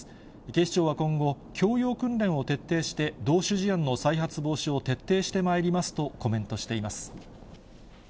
警視庁は今後、教養訓練を徹底して、同種事案の再発防止を徹底してまいりますとコメントしています。